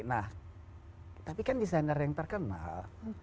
nah tapi kan desainer yang terkenal